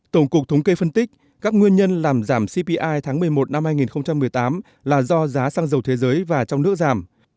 tổng cục thống kê phân tích các nguyên nhân làm giảm cpi tháng một mươi một năm hai nghìn một mươi tám là do giá xăng dầu thế giới và trong nước giảm